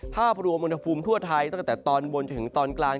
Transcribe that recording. ภาพรวมอุณหภูมิทั่วไทยตั้งแต่ตอนบนจนถึงตอนกลาง